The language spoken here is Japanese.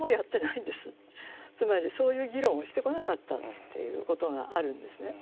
つまりそういう議論をしてこなかったっていうことがあるんですね。